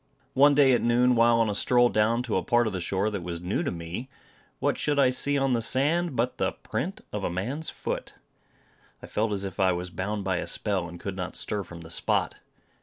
One day at noon, while on a stroll down to a part of the shore that was new to me, what should I see on the sand but the print of a man's foot! I felt as if I was bound by a spell, and could not stir from, the spot.